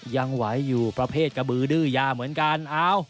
ยังไหวอยู่ประเภทกระบือดื้อยาเหมือนกัน